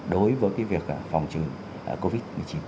đối với cái việc phòng chống covid một mươi chín